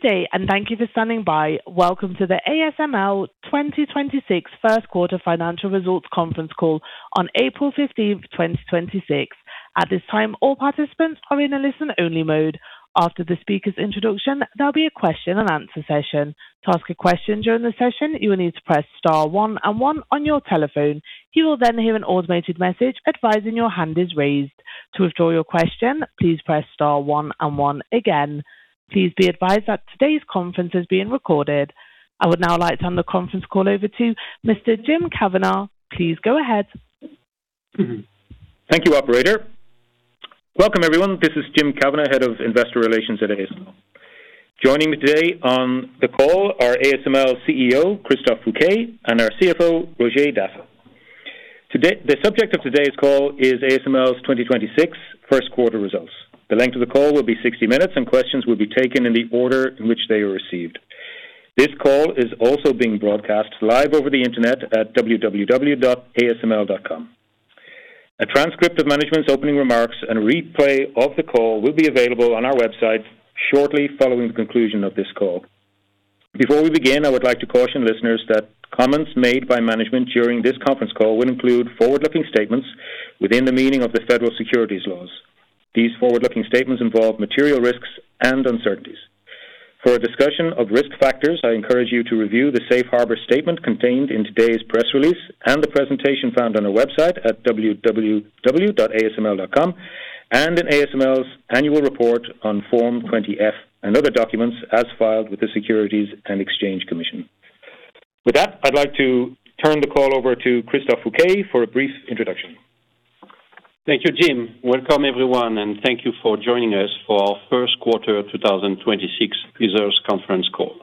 Good day. Thank you for standing by. Welcome to the ASML 2026 first quarter financial results conference call on April 15th, 2026. At this time, all participants are in a listen-only mode. After the speaker's introduction, there'll be a question and answer session. To ask a question during the session, you will need to press star one and one on your telephone. You will then hear an automated message advising your hand is raised. To withdraw your question, please press star one and one again. Please be advised that today's conference is being recorded. I would now like to turn the conference call over to Mr. Jim Kavanagh. Please go ahead. Thank you, operator. Welcome, everyone. This is Jim Kavanagh, Head of Investor Relations at ASML. Joining me today on the call are ASML CEO, Christophe Fouquet, and our CFO, Roger Dassen. The subject of today's call is ASML's 2026 first quarter results. The length of the call will be 60 minutes, and questions will be taken in the order in which they are received. This call is also being broadcast live over the internet at www.asml.com. A transcript of management's opening remarks and replay of the call will be available on our website shortly following the conclusion of this call. Before we begin, I would like to caution listeners that comments made by management during this conference call will include forward-looking statements within the meaning of the federal securities laws. These forward-looking statements involve material risks and uncertainties. For a discussion of risk factors, I encourage you to review the safe harbor statement contained in today's press release and the presentation found on our website at www.asml.com, and in ASML's annual report on Form 20-F and other documents as filed with the Securities and Exchange Commission. With that, I'd like to turn the call over to Christophe Fouquet for a brief introduction. Thank you, Jim. Welcome everyone. Thank you for joining us for our first quarter 2026 results conference call.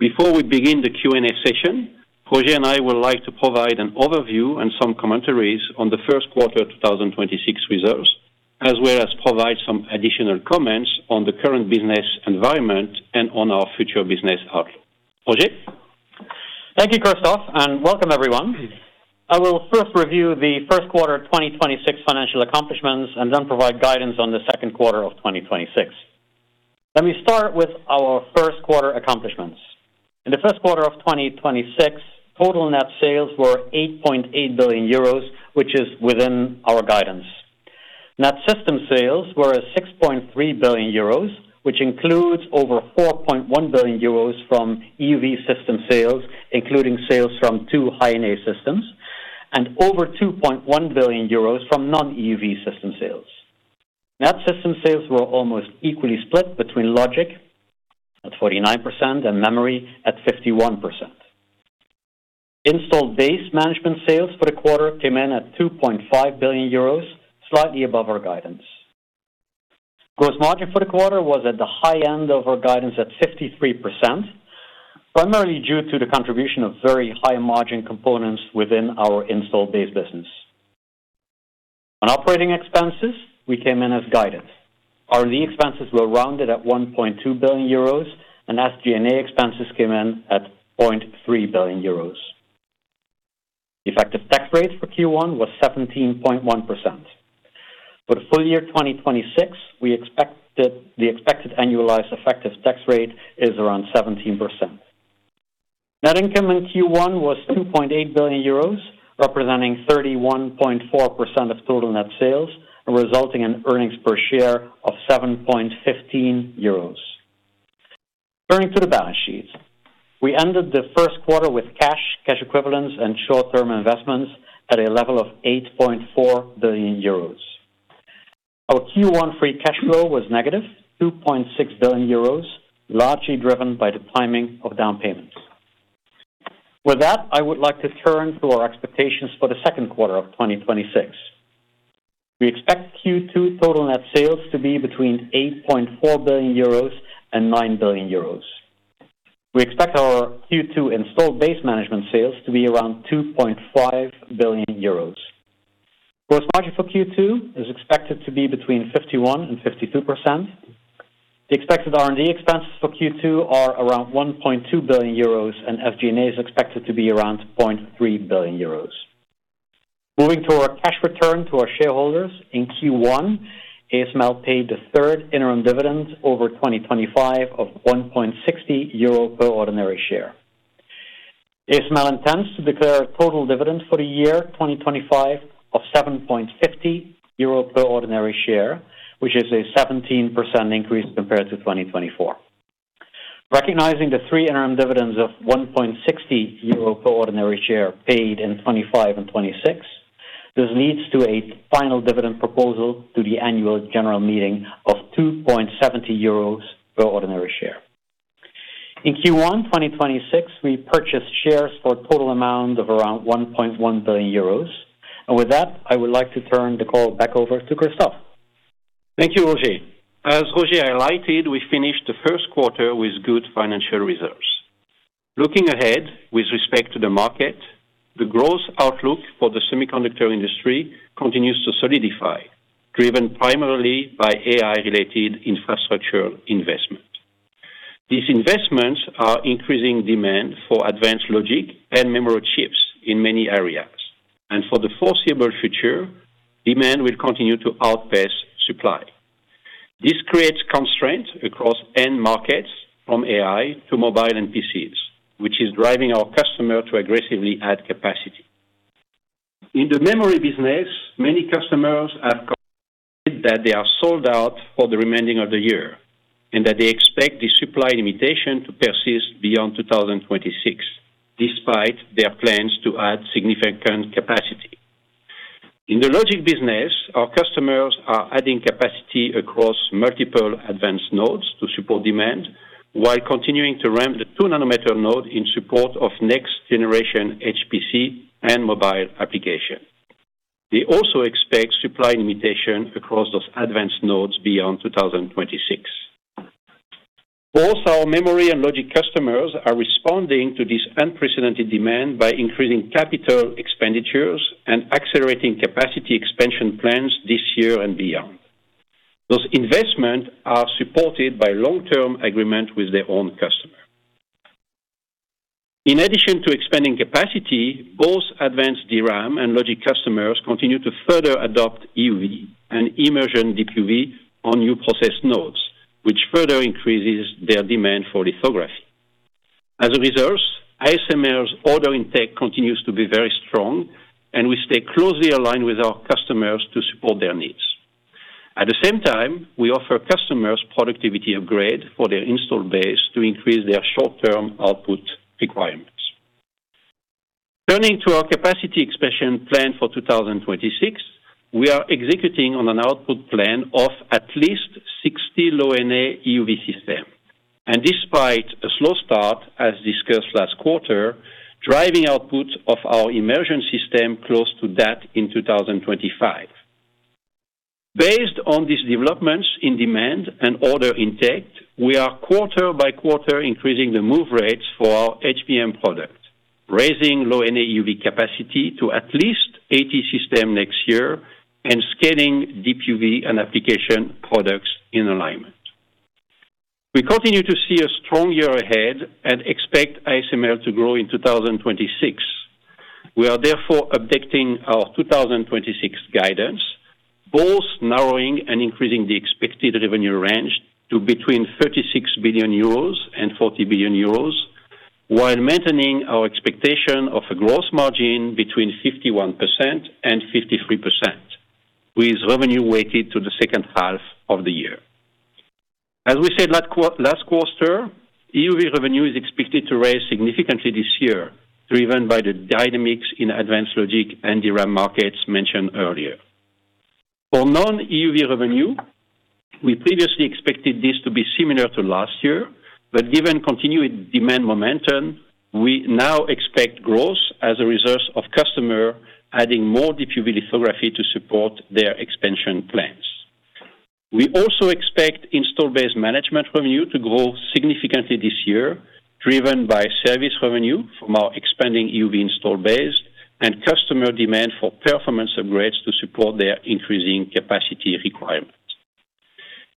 Before we begin the Q&A session, Roger and I would like to provide an overview and some commentaries on the first quarter 2026 results, as well as provide some additional comments on the current business environment and on our future business outlook. Roger. Thank you, Christophe, and welcome everyone. I will first review the first quarter 2026 financial accomplishments and then provide guidance on the second quarter of 2026. Let me start with our first quarter accomplishments. In the first quarter of 2026, total net sales were 8.8 billion euros, which is within our guidance. Net system sales were at 6.3 billion euros, which includes over 4.1 billion euros from EUV system sales, including sales from two High-NA systems, and over 2.1 billion euros from non-EUV system sales. Net system sales were almost equally split between logic, at 49%, and memory at 51%. Installed base management sales for the quarter came in at 2.5 billion euros, slightly above our guidance. Gross margin for the quarter was at the high end of our guidance at 53%, primarily due to the contribution of very high-margin components within our installed base business. On operating expenses, we came in as guided. Our R&D expenses were rounded at 1.2 billion euros, and SG&A expenses came in at 0.3 billion euros. The effective tax rate for Q1 was 17.1%. For the full year 2026, the expected annualized effective tax rate is around 17%. Net income in Q1 was 2.8 billion euros, representing 31.4% of total net sales, resulting in earnings per share of 7.15 euros. Turning to the balance sheet, we ended the first quarter with cash equivalents, and short-term investments at a level of 8.4 billion euros. Our Q1 free cash flow was -2.6 billion euros, largely driven by the timing of down payments. With that, I would like to turn to our expectations for the second quarter of 2026. We expect Q2 total net sales to be between 8.4 billion euros and 9 billion euros. We expect our Q2 installed base management sales to be around 2.5 billion euros. Gross margin for Q2 is expected to be between 51% and 52%. The expected R&D expenses for Q2 are around 1.2 billion euros, and SG&A is expected to be around 0.3 billion euros. Moving to our cash return to our shareholders, in Q1, ASML paid the third interim dividend over 2025 of 1.60 euro per ordinary share. ASML intends to declare a total dividend for the year 2025 of 7.50 euro per ordinary share, which is a 17% increase compared to 2024. Recognizing the three interim dividends of 1.60 euro per ordinary share paid in 2025 and 2026, this leads to a final dividend proposal to the Annual General Meeting of 2.70 euros per ordinary share. In Q1 2026, we purchased shares for a total amount of around 1.1 billion euros. With that, I would like to turn the call back over to Christophe. Thank you, Roger. As Roger highlighted, we finished the first quarter with good financial results. Looking ahead with respect to the market, the growth outlook for the semiconductor industry continues to solidify, driven primarily by AI-related infrastructure investment. These investments are increasing demand for advanced logic and memory chips in many areas. For the foreseeable future, demand will continue to outpace supply. This creates constraint across end markets from AI to mobile and PCs, which is driving our customer to aggressively add capacity. In the memory business, many customers have confirmed that they are sold out for the remaining of the year, and that they expect the supply limitation to persist beyond 2026, despite their plans to add significant capacity. In the logic business, our customers are adding capacity across multiple advanced nodes to support demand, while continuing to ramp the 2-nanometer node in support of next-generation HPC and mobile application. They also expect supply limitation across those advanced nodes beyond 2026. Both our memory and logic customers are responding to this unprecedented demand by increasing capital expenditures and accelerating capacity expansion plans this year and beyond. Those investments are supported by long-term agreement with their own customer. In addition to expanding capacity, both advanced DRAM and logic customers continue to further adopt EUV and immersion Deep UV on new process nodes, which further increases their demand for lithography. As a result, ASML's order intake continues to be very strong, and we stay closely aligned with our customers to support their needs. At the same time, we offer customers productivity upgrades for their installed base to increase their short-term output requirements. Turning to our capacity expansion plan for 2026, we are executing on an output plan of at least 60 Low-NA EUV systems and, despite a slow start, as discussed last quarter, driving output of our immersion system close to that in 2025. Based on these developments in demand and order intake, we are quarter-by-quarter increasing the move rates for our HVM product, raising Low-NA EUV capacity to at least 80 systems next year, and scaling Deep UV and application products in alignment. We continue to see a strong year ahead and expect ASML to grow in 2026. We are therefore updating our 2026 guidance, both narrowing and increasing the expected revenue range to between 36 billion euros and 40 billion euros, while maintaining our expectation of a gross margin between 51% and 53%, with revenue weighted to the second half of the year. As we said last quarter, EUV revenue is expected to rise significantly this year, driven by the dynamics in advanced logic and DRAM markets mentioned earlier. For non-EUV revenue, we previously expected this to be similar to last year, but given continued demand momentum, we now expect growth as a result of customer adding more Deep UV lithography to support their expansion plans. We also expect installed base management revenue to grow significantly this year, driven by service revenue from our expanding EUV installed base and customer demand for performance upgrades to support their increasing capacity requirements.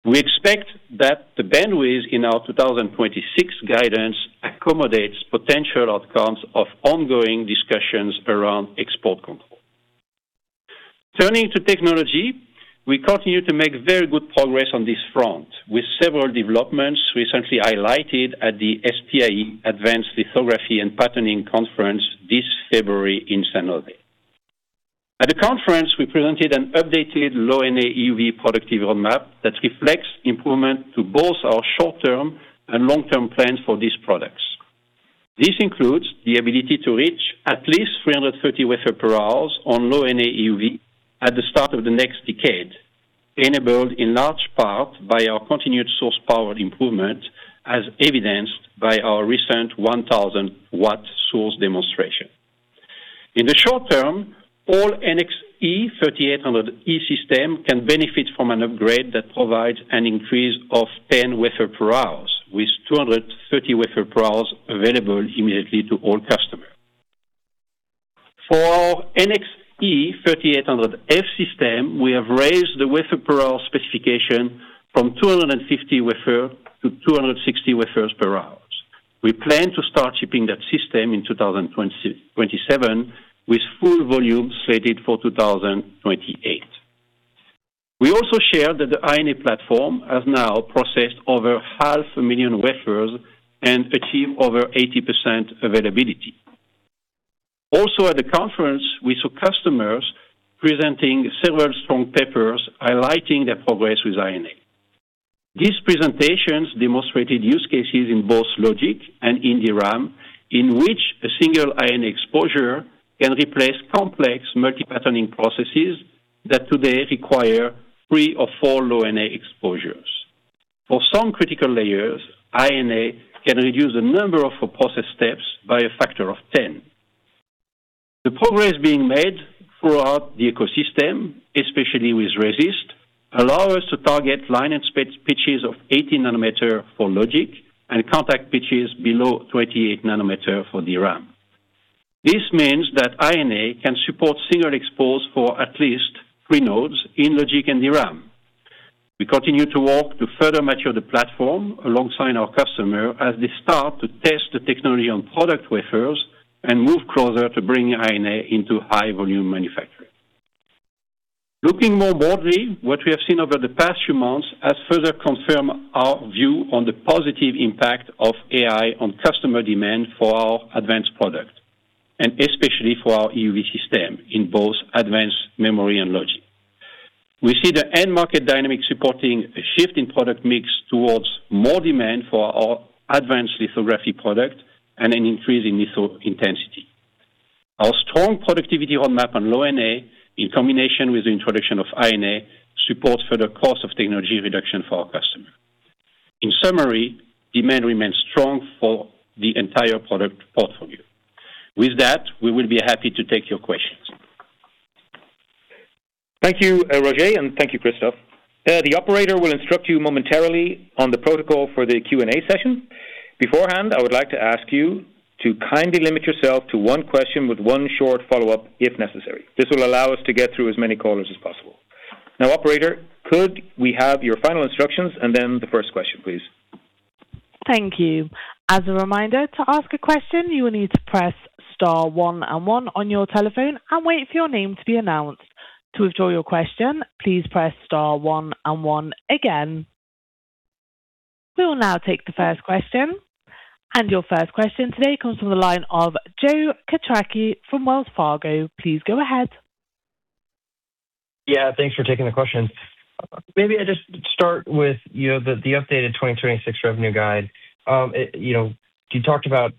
We expect that the bandwidth in our 2026 guidance accommodates potential outcomes of ongoing discussions around export control. Turning to technology, we continue to make very good progress on this front, with several developments recently highlighted at the SPIE Advanced Lithography and Patterning Conference this February in San Jose. At the conference, we presented an updated Low-NA EUV productivity roadmap that reflects improvement to both our short-term and long-term plans for these products. This includes the ability to reach at least 330 wafer per hours on Low-NA EUV at the start of the next decade, enabled in large part by our continued source power improvement, as evidenced by our recent 1,000-watt source demonstration. In the short term, all NXE:3800E system can benefit from an upgrade that provides an increase of 10 wafer per hours, with 230 wafer per hours available immediately to all customers. For NXE:3800F system, we have raised the wafer per hour specification from 250 wafers to 260 wafers per hour. We plan to start shipping that system in 2027, with full volume slated for 2028. We also share that the High-NA platform has now processed over half a million wafers and achieved over 80% availability. Also at the conference, we saw customers presenting several strong papers highlighting their progress with High-NA. These presentations demonstrated use cases in both logic and in DRAM, in which a single High-NA exposure can replace complex multi-patterning processes that today require three or four Low-NA exposures. For some critical layers, High-NA can reduce the number of process steps by a factor of 10. The progress being made throughout the ecosystem, especially with resist, allow us to target line and pitches of 18 nanometer for logic and contact pitches below 28 nanometer for DRAM. This means that High-NA can support single expose for at least three nodes in logic and DRAM. We continue to work to further mature the platform alongside our customer as they start to test the technology on product wafers and move closer to bringing High-NA into high-volume manufacturing. Looking more broadly, what we have seen over the past few months has further confirmed our view on the positive impact of AI on customer demand for our advanced product, and especially for our EUV system in both advanced memory and logic. We see the end market dynamic supporting a shift in product mix towards more demand for our advanced lithography product and an increase in litho intensity. Our strong productivity roadmap on Low-NA, in combination with the introduction of High-NA, supports further cost of technology reduction for our customer. In summary, demand remains strong for the entire product portfolio. With that, we will be happy to take your questions. Thank you, Roger, and thank you, Christophe. The Operator will instruct you momentarily on the protocol for the Q&A session. Beforehand, I would like to ask you to kindly limit yourself to one question with one short follow-up if necessary. This will allow us to get through as many callers as possible. Now, Operator, could we have your final instructions and then the first question, please? Thank you. As a reminder, to ask a question, you will need to press star one and one on your telephone and wait for your name to be announced. To withdraw your question, please press star one and one again. We will now take the first question. Your first question today comes from the line of Joe Quatrochi from Wells Fargo. Please go ahead. Yeah, thanks for taking the question. Maybe I just start with the updated 2026 revenue guide. You talked about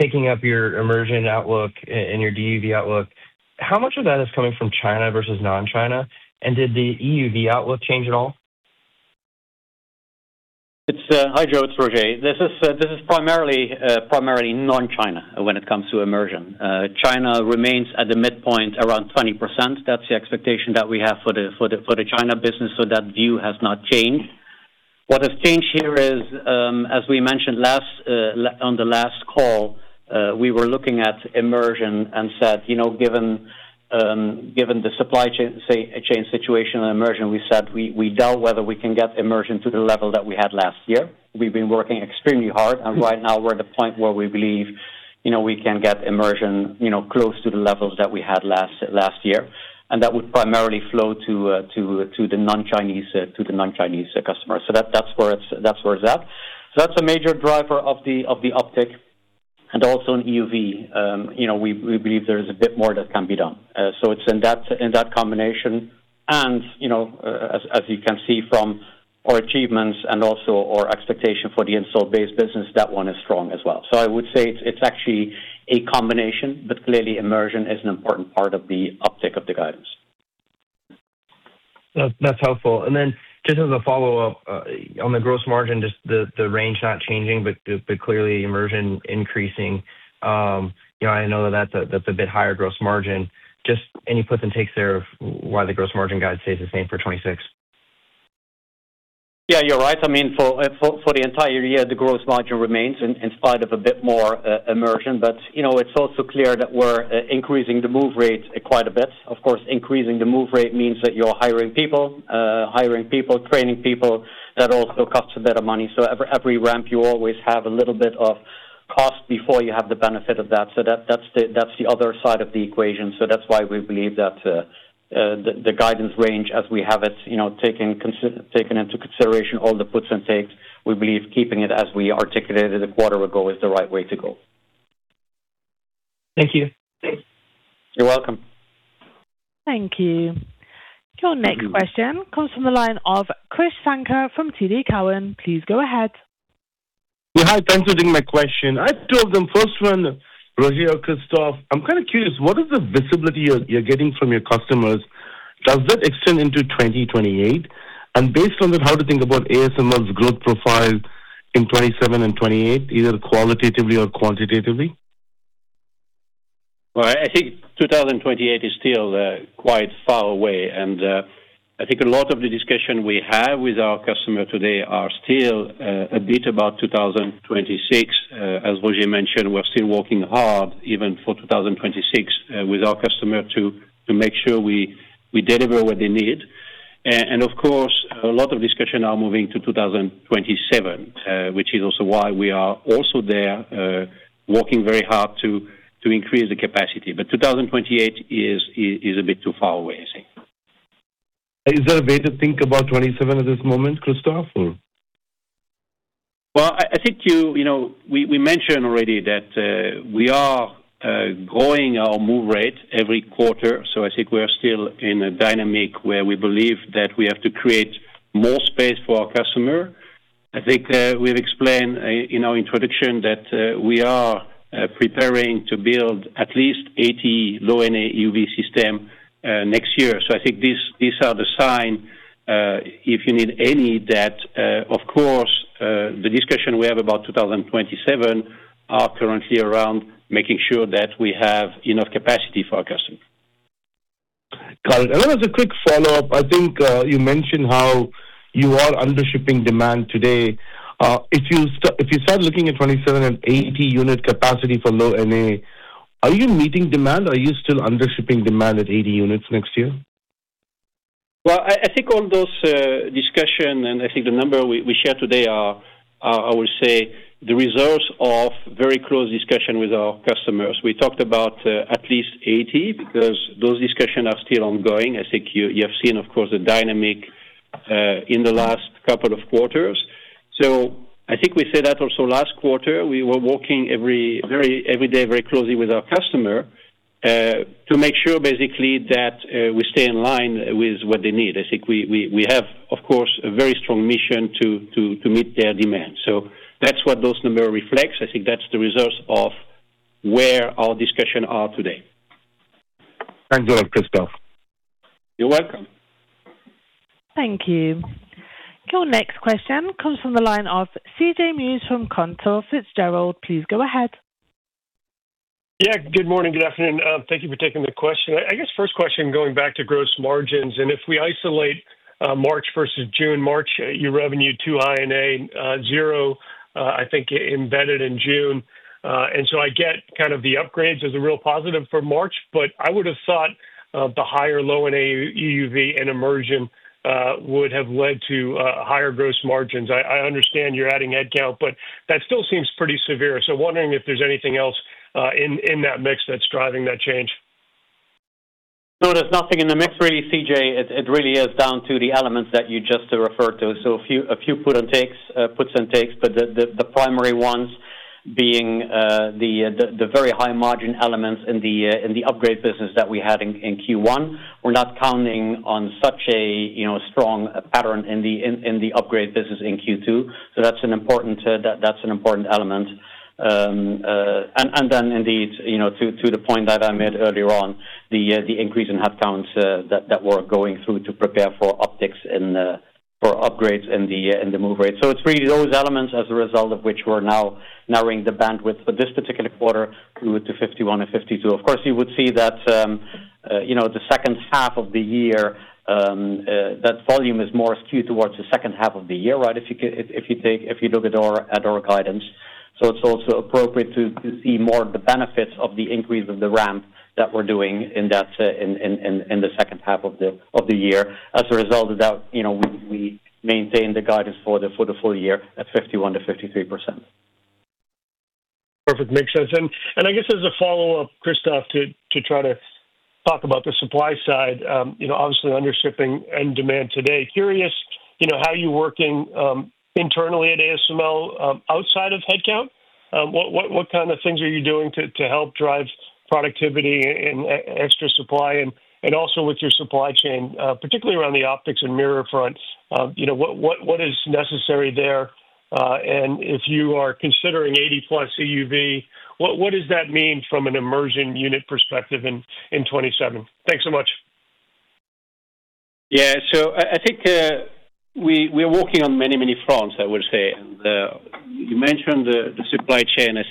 taking up your immersion outlook and your Deep UV outlook. How much of that is coming from China versus non-China? Did the EUV outlook change at all? Hi, Joe. It's Roger. This is primarily non-China when it comes to immersion. China remains at the midpoint around 20%. That's the expectation that we have for the China business. That view has not changed. What has changed here is, as we mentioned on the last call, we were looking at immersion and said, given the supply chain situation on immersion, we said we doubt whether we can get immersion to the level that we had last year. We've been working extremely hard, and right now we're at the point where we believe we can get immersion close to the levels that we had last year, and that would primarily flow to the non-Chinese customers. That's where it's at. That's a major driver of the uptick. Also in EUV, we believe there is a bit more that can be done. It's in that combination. As you can see from our achievements and also our expectation for the installed base business, that one is strong as well. I would say it's actually a combination, but clearly immersion is an important part of the uptick of the guidance. That's helpful. Just as a follow-up, on the gross margin, just the range not changing, but clearly immersion increasing, I know that's a bit higher gross margin. Just any puts and takes there of why the gross margin guide stays the same for 2026? Yeah, you're right. For the entire year, the gross margin remains in spite of a bit more immersion. It's also clear that we're increasing the move rate quite a bit. Of course, increasing the move rate means that you're hiring people. Hiring people, training people, that also costs a bit of money. Every ramp, you always have a little bit of cost before you have the benefit of that. That's the other side of the equation. That's why we believe that the guidance range as we have it, taking into consideration all the puts and takes, we believe keeping it as we articulated a quarter ago is the right way to go. Thank you. You're welcome. Thank you. Your next question comes from the line of Krish Sankar from TD Cowen. Please go ahead. Hi, thanks for taking my question. I have two of them. First one, Roger, Christophe, I'm kind of curious, what is the visibility you're getting from your customers? Does that extend into 2028? Based on that, how to think about ASML's growth profile in 2027 and 2028, either qualitatively or quantitatively? Well, I think 2028 is still quite far away. I think a lot of the discussion we have with our customer today are still a bit about 2026. As Roger mentioned, we're still working hard even for 2026 with our customer to make sure we deliver what they need. Of course, a lot of discussion are moving to 2027, which is also why we are also there working very hard to increase the capacity. 2028 is a bit too far away, I think. Is there a way to think about 2027 at this moment, Christophe? Well, we mentioned already that we are growing our move rate every quarter. I think we are still in a dynamic where we believe that we have to create more space for our customer. I think we've explained in our introduction that we are preparing to build at least 80 Low-NA EUV system next year. I think these are the sign, if you need any, that, of course, the discussion we have about 2027 are currently around making sure that we have enough capacity for our customers. Got it. As a quick follow-up, I think you mentioned how you are undershipping demand today. If you start looking at 2027 and 80 unit capacity for Low-NA. Are you meeting demand? Are you still undershipping demand at 80 units next year? Well, I think all those discussion, and I think the number we share today are, I would say, the results of very close discussion with our customers. We talked about at least 80, because those discussions are still ongoing. I think you have seen, of course, the dynamic in the last couple of quarters. I think we said that also last quarter. We were working every day very closely with our customer, to make sure basically that we stay in line with what they need. I think we have, of course, a very strong mission to meet their demand. That's what those number reflects. I think that's the results of where our discussion are today. Thanks a lot, Christophe. You're welcome. Thank you. Your next question comes from the line of C.J. Muse from Cantor Fitzgerald. Please go ahead. Yeah, good morning, good afternoon. Thank you for taking the question. I guess first question, going back to gross margins. If we isolate March versus June, March, your revenue two High-NA zero, I think embedded in June. I get kind of the upgrades as a real positive for March. I would have thought the higher Low-NA EUV and immersion would have led to higher gross margins. I understand you're adding headcount, but that still seems pretty severe. Wondering if there's anything else in that mix that's driving that change. No, there's nothing in the mix really, C.J. It really is down to the elements that you just referred to. A few puts and takes, but the primary ones being the very high-margin elements in the upgrade business that we had in Q1. We're not counting on such a strong pattern in the upgrade business in Q2. That's an important element. Indeed, to the point that I made earlier on, the increase in headcounts that we're going through to prepare for optics and for upgrades in the move rate. It's really those elements as a result of which we're now narrowing the bandwidth for this particular quarter to 51% and 52%. Of course, you would see that the second half of the year, that volume is more skewed towards the second half of the year, right, if you look at our guidance. It's also appropriate to see more of the benefits of the increase of the ramp that we're doing in the second half of the year. As a result of that, we maintain the guidance for the full year at 51%-53%. Perfect. Makes sense. I guess as a follow-up, Christophe, to try to talk about the supply side, obviously undershipping and demand today. Curious, how are you working internally at ASML outside of headcount? What kind of things are you doing to help drive productivity and extra supply? With your supply chain, particularly around the optics and mirror front, what is necessary there? If you are considering 80+ EUV, what does that mean from an immersion unit perspective in 2027? Thanks so much. Yeah. I think we're working on many fronts, I would say. You mentioned the supply chain. I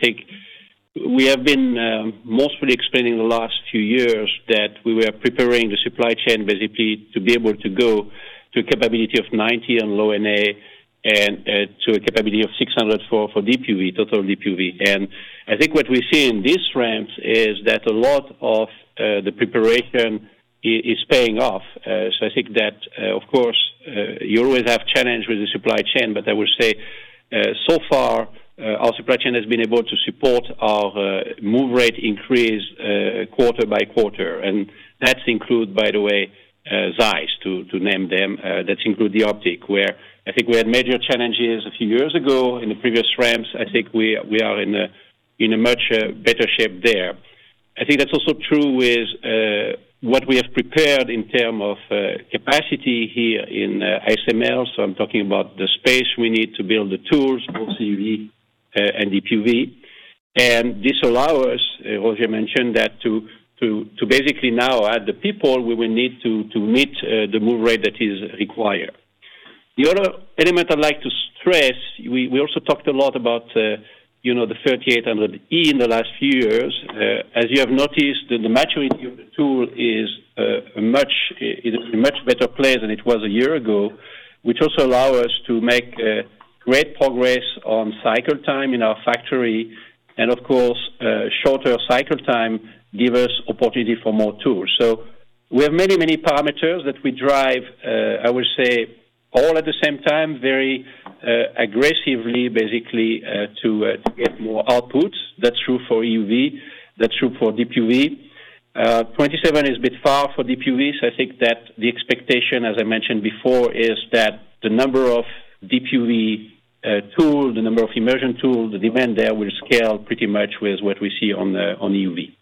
think we have been mostly explaining the last few years that we were preparing the supply chain basically to be able to go to a capability of 90 on Low-NA and to a capability of 600 for Deep UV, total Deep UV. I think what we see in these ramps is that a lot of the preparation is paying off. I think that, of course, you always have challenge with the supply chain, but I would say, so far, our supply chain has been able to support our move rate increase quarter by quarter. That's include, by the way, ZEISS, to name them. That include the optic, where I think we had major challenges a few years ago in the previous ramps. I think we are in a much better shape there. I think that's also true with what we have prepared in term of capacity here in ASML. I'm talking about the space we need to build the tools for EUV and Deep UV. This allow us, Roger mentioned that, to basically now add the people we will need to meet the move rate that is required. The other element I'd like to stress, we also talked a lot about the NXE:3800E in the last few years. As you have noticed, the maturity of the tool is in a much better place than it was a year ago, which also allow us to make great progress on cycle time in our factory. Of course, shorter cycle time give us opportunity for more tools. We have many parameters that we drive, I would say all at the same time, very aggressively basically, to get more outputs. That's true for EUV. That's true for Deep UV. 2027 is a bit far for Deep UV, so I think that the expectation, as I mentioned before, is that the number of Deep UV tool, the number of immersion tool, the demand there will scale pretty much with what we see on EUV.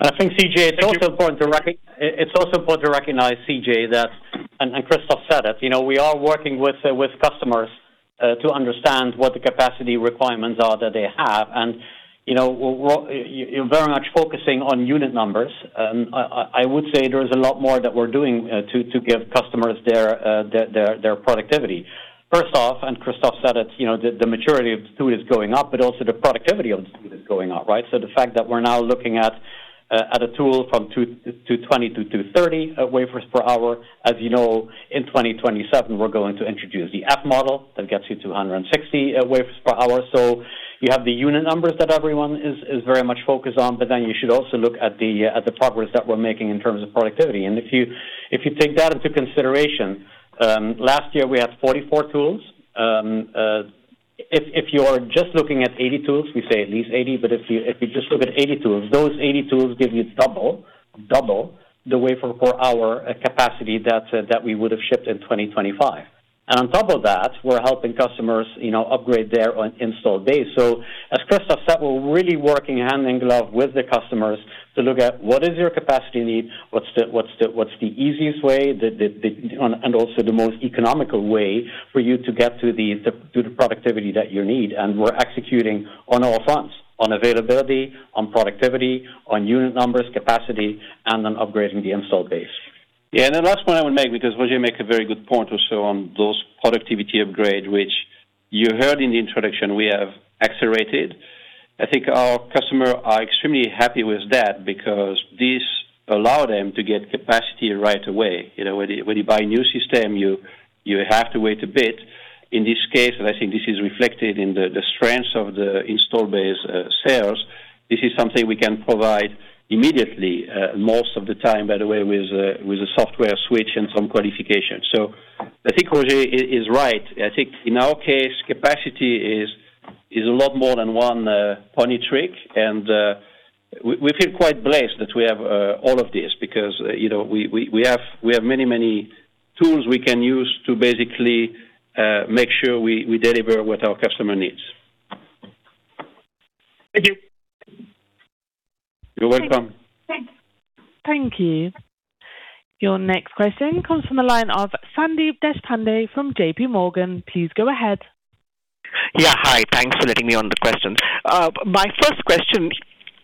I think, C.J., it's also important to recognize, C.J., that, and Christophe said it, we are working with customers to understand what the capacity requirements are that they have. You're very much focusing on unit numbers. I would say there is a lot more that we're doing to give customers their productivity. First off, and Christophe said it, the maturity of the tool is going up, but also the productivity of the tool is going up, right, the fact that we're now looking at a tool from 220 wafers per hour-230 wafers per hour? As you know, in 2027, we're going to introduce the F model. That gets you to 160 wafers per hour. You have the unit numbers that everyone is very much focused on, but then you should also look at the progress that we're making in terms of productivity. If you take that into consideration, last year we had 44 tools. If you are just looking at 80 tools, we say at least 80, but if you just look at 80 tools, those 80 tools give you double the wafer per hour capacity that we would have shipped in 2025. On top of that, we're helping customers upgrade their installed base. As Christophe said, we're really working hand in glove with the customers to look at what is your capacity need, what's the easiest way, and also the most economical way for you to get to the productivity that you need. We're executing on all fronts, on availability, on productivity, on unit numbers, capacity, and on upgrading the installed base. Yeah. The last point I would make, because Roger made a very good point also on those productivity upgrades, which you heard in the introduction, we have accelerated. I think our customers are extremely happy with that because this allows them to get capacity right away. When you buy a new system, you have to wait a bit. In this case, and I think this is reflected in the strength of the installed base sales, this is something we can provide immediately, most of the time, by the way, with a software switch and some qualification. I think Roger is right. I think in our case, capacity is a lot more than one-pony trick. We feel quite blessed that we have all of this because we have many, many tools we can use to basically make sure we deliver what our customer needs. Thank you. You're welcome. Thank you. Your next question comes from the line of Sandeep Deshpande from JPMorgan. Please go ahead. Yeah. Hi. Thanks for letting me on the question. My first question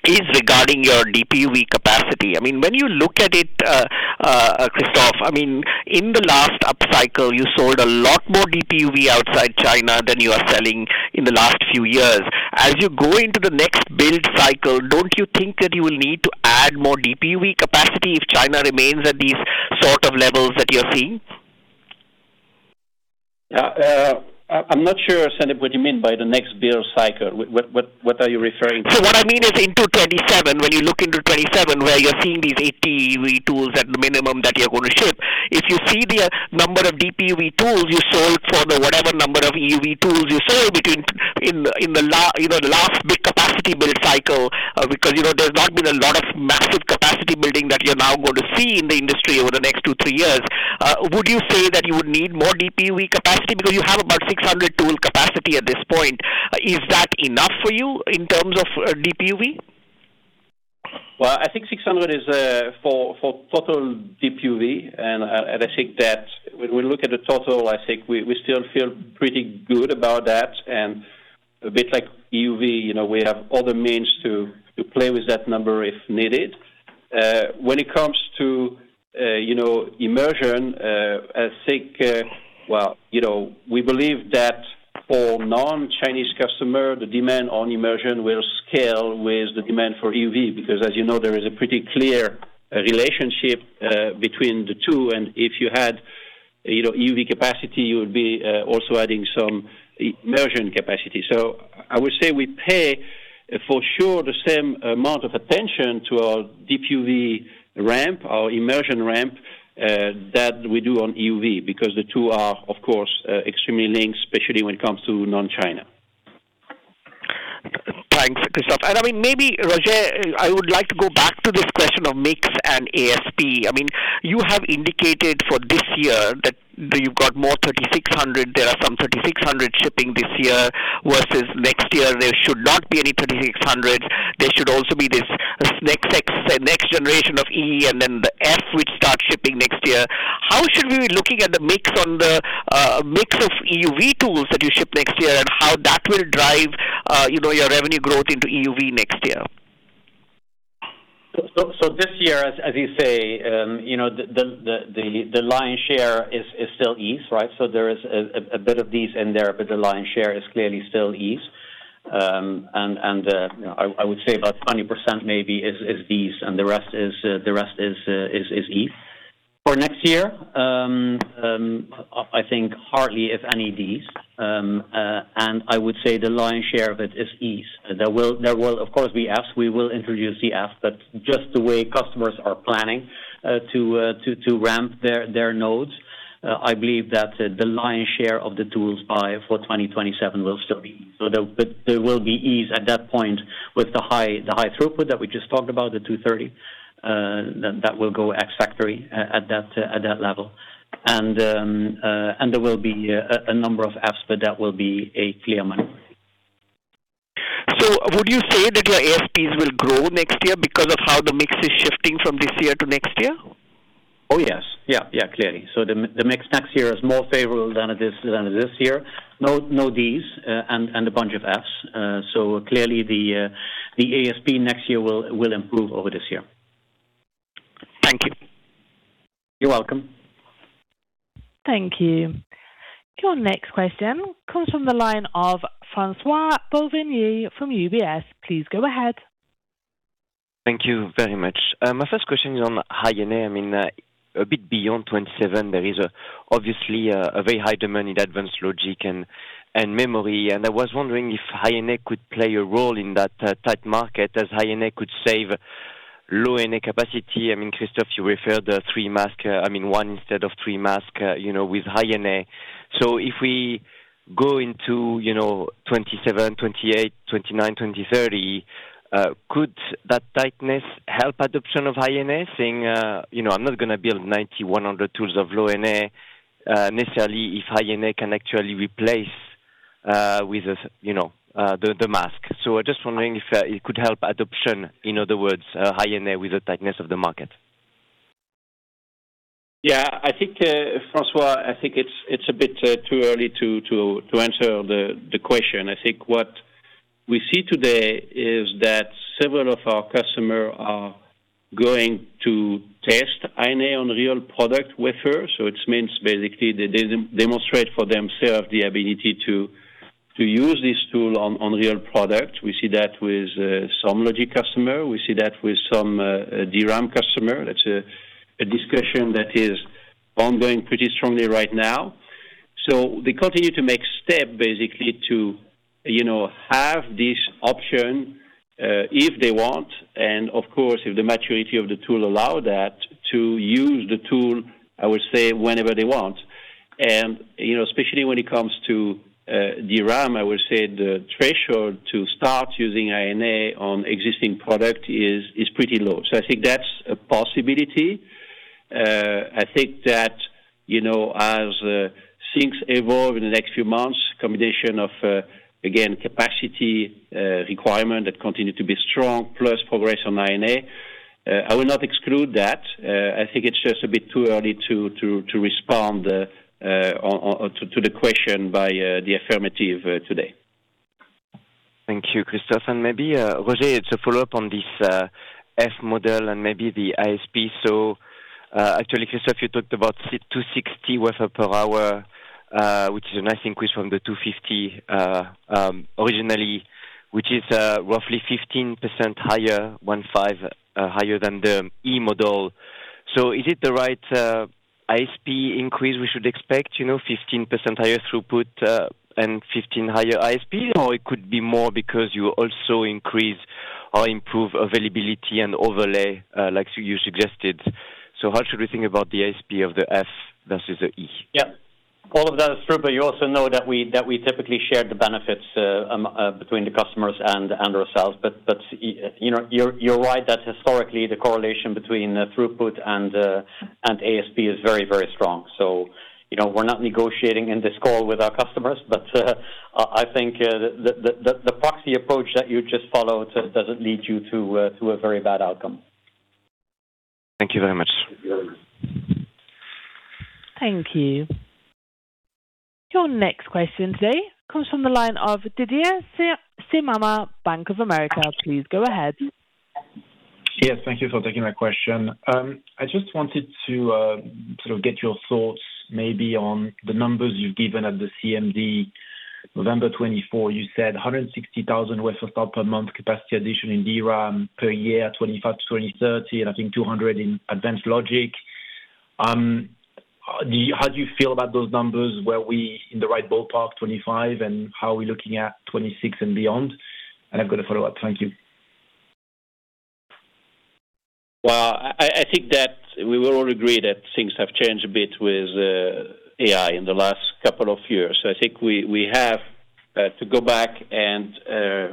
is regarding your Deep UV capacity. I mean, when you look at it, Christophe, in the last upcycle, you sold a lot more Deep UV outside China than you are selling in the last few years. As you go into the next build cycle, don't you think that you will need to add more Deep UV capacity if China remains at these sort of levels that you're seeing? I'm not sure, Sandeep, what you mean by the next build cycle. What are you referring to? What I mean is into 2027, when you look into 2027, where you're seeing these 80 EUV tools at the minimum that you're going to ship. If you see the number of Deep UV tools you sold for the whatever number of EUV tools you sold in the last big capacity build cycle, because there's not been a lot of massive capacity building that you're now going to see in the industry over the next two-three years, would you say that you would need more Deep UV capacity because you have about 600 tool capacity at this point? Is that enough for you in terms of Deep UV? Well, I think 600 is for total Deep UV, and I think that when we look at the total, I think we still feel pretty good about that. A bit like EUV, we have other means to play with that number if needed. When it comes to immersion, we believe that for non-Chinese customer, the demand on immersion will scale with the demand for EUV, because as you know, there is a pretty clear relationship between the two. If you had EUV capacity, you would be also adding some immersion capacity. I would say we pay for sure the same amount of attention to our Deep UV ramp, our immersion ramp, that we do on EUV, because the two are, of course, extremely linked, especially when it comes to non-China. Thanks, Christophe. Maybe Roger, I would like to go back to this question of mix and ASP. You have indicated for this year that you've got more 3600. There are some 3600 shipping this year versus next year, there should not be any 3600. There should also be this next generation of E and then the F, which starts shipping next year. How should we be looking at the mix of EUV tools that you ship next year and how that will drive your revenue growth into EUV next year? This year, as you say, the lion's share is still E, right? There is a bit of D's in there, but the lion's share is clearly still E's. I would say about 20% maybe is D's, and the rest is E. For next year, I think hardly, if any, D's. I would say the lion's share of it is E's. There will, of course, be F's. We will introduce the F, but just the way customers are planning to ramp their nodes. I believe that the lion's share of the tools buy for 2027 will still be, there will be E's at that point with the high throughput that we just talked about, the 230, that will go ex factory at that level. There will be a number of F's, but that will be a clear minority. Would you say that your ASPs will grow next year because of how the mix is shifting from this year to next year? Oh, yes. Yeah, clearly. The mix next year is more favorable than it is this year. No D's and a bunch of F's. Clearly the ASP next year will improve over this year. Thank you. You're welcome. Thank you. Your next question comes from the line of François-Xavier Bouvignies from UBS. Please go ahead. Thank you very much. My first question is on High-NA. A bit beyond 2027, there is obviously a very high demand in advanced logic and memory. I was wondering if High-NA could play a role in that tight market, as High-NA could save Low-NA capacity. Christophe, you referred the one instead of three mask with High-NA. If we go into 2027, 2028, 2029, 2030, could that tightness help adoption of High-NA? Saying, I'm not going to build 9,100 tools of Low-NA necessarily if High-NA can actually replace with the mask. I'm just wondering if it could help adoption, in other words, High-NA with the tightness of the market. Yeah, François, I think it's a bit too early to answer the question. I think what we see today is that several of our customer are going to test High-NA on real product wafer. It means basically they demonstrate for themselves the ability to use this tool on real product. We see that with some logic customer. We see that with some DRAM customer. That's a discussion that is ongoing pretty strongly right now. They continue to make step basically to have this option if they want, and of course, if the maturity of the tool allow that to use the tool, I would say whenever they want. Especially when it comes to DRAM, I would say the threshold to start using High-NA on existing product is pretty low. I think that's a possibility. I think that as things evolve in the next few months, combination of, again, capacity requirement that continue to be strong, plus progress on High-NA, I will not exclude that. I think it's just a bit too early to respond to the question by the affirmative today. Thank you, Christophe. Maybe, Roger, it's a follow-up on this F model and maybe the ASP. Actually, Christophe, you talked about 260 wafer per hour, which is a nice increase from the 250 originally, which is roughly 15% higher, 15% higher than the E model. Is it the right ASP increase we should expect, 15% higher throughput, and 15% higher ASP, or it could be more because you also increase or improve availability and overlay like you suggested? How should we think about the ASP of the F versus the E? Yeah. All of that is true, but you also know that we typically share the benefits between the customers and ourselves. You're right that historically, the correlation between throughput and ASP is very, very strong. We're not negotiating in this call with our customers, but I think the proxy approach that you just followed doesn't lead you to a very bad outcome. Thank you very much. Thank you. Your next question today comes from the line of Didier Scemama, Bank of America. Please go ahead. Yes, thank you for taking my question. I just wanted to sort of get your thoughts maybe on the numbers you've given at the CMD, November 2024. You said 160,000 wafers start per month capacity addition in DRAM per year, 2025-2030, and I think 200 in advanced logic. How do you feel about those numbers? Were we in the right ballpark 2025, and how are we looking at 2026 and beyond? I've got a follow-up. Thank you. Well, I think that we will all agree that things have changed a bit with AI in the last couple of years. I think we have to go back and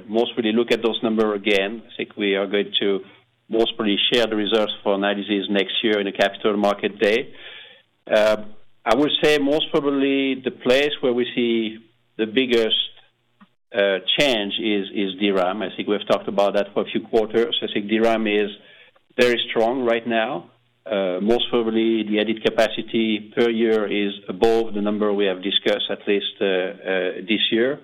most probably look at those numbers again. I think we are going to most probably share the results for analysis next year in the Capital Markets Day. I would say most probably the place where we see the biggest change is DRAM. I think we have talked about that for a few quarters. I think DRAM is very strong right now. Most probably the added capacity per year is above the number we have discussed at least this year.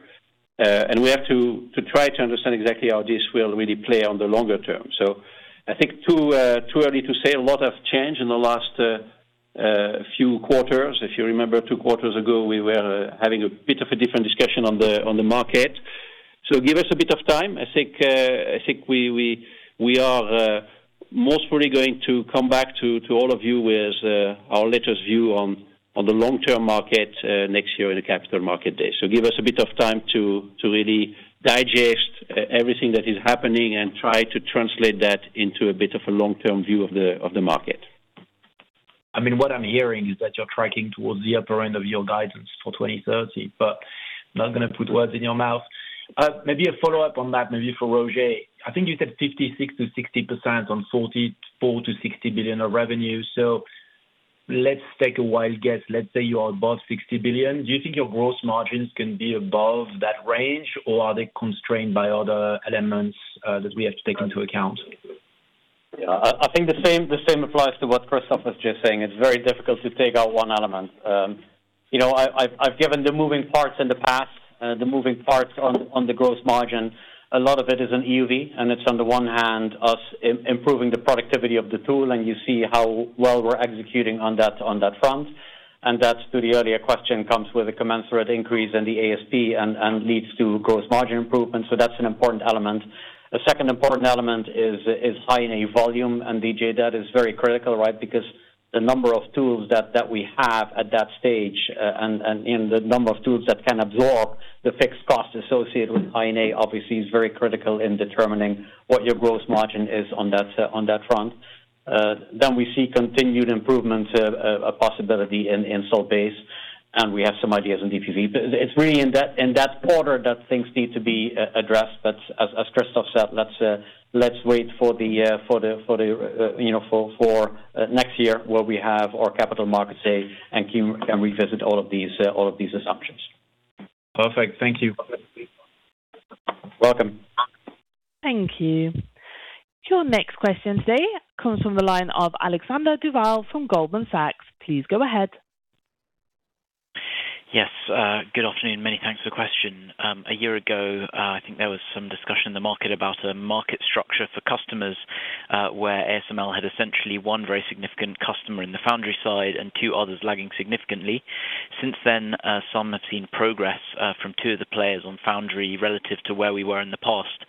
We have to try to understand exactly how this will really play on the longer term. I think too early to say a lot have changed in the last few quarters. If you remember two quarters ago, we were having a bit of a different discussion on the market. Give us a bit of time. I think we are most probably going to come back to all of you with our latest view on the long-term market next year in the Capital Markets Day. Give us a bit of time to really digest everything that is happening and try to translate that into a bit of a long-term view of the market. What I'm hearing is that you're tracking towards the upper end of your guidance for 2030, but not going to put words in your mouth. Maybe a follow-up on that, maybe for Roger. I think you said 56%-60% on 44 billion-60 billion of revenue. Let's take a wild guess. Let's say you are above 60 billion. Do you think your gross margins can be above that range, or are they constrained by other elements that we have to take into account? I think the same applies to what Christophe was just saying. It's very difficult to take out one element. I've given the moving parts in the past, the moving parts on the gross margin. A lot of it is in EUV, and it's on the one hand us improving the productivity of the tool, and you see how well we're executing on that front. That, to the earlier question, comes with a commensurate increase in the ASP and leads to gross margin improvement. That's an important element. A second important element is High-NA volume, and Didier, that is very critical. Because the number of tools that we have at that stage and the number of tools that can absorb the fixed cost associated with High-NA, obviously, is very critical in determining what your gross margin is on that front. We see continued improvements, a possibility in installed base, and we have some ideas on Deep UV. It's really in that quarter that things need to be addressed. As Christophe said, let's wait for next year where we have our Capital Markets Day, and we can revisit all of these assumptions. Perfect. Thank you. Welcome. Thank you. Your next question today comes from the line of Alexander Duval from Goldman Sachs. Please go ahead. Yes. Good afternoon. Many thanks for the question. A year ago, I think there was some discussion in the market about a market structure for customers, where ASML had essentially one very significant customer in the foundry side and two others lagging significantly. Since then, some have seen progress from two of the players on foundry relative to where we were in the past.